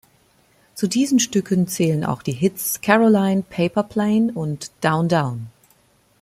Zu diesen Stücken zählen auch die Hits "Caroline, Paper Plane" und "Down Down".